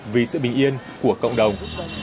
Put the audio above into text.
vì sự bình yên của cộng đồng